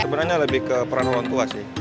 sebenarnya lebih ke peran orang tua sih